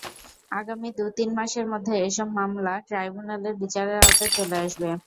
আগামী দু-তিন মাসের মধ্যে এসব মামলা ট্রাইব্যুনালের বিচারের আওতায় চলে আসবে।